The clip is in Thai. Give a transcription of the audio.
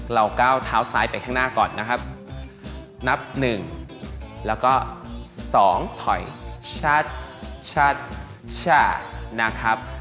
ก้าวเท้าซ้ายไปข้างหน้าก่อนนะครับนับ๑แล้วก็๒ถอยชัดชะนะครับ